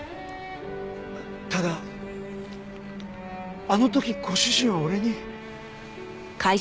ただあの時ご主人は俺に。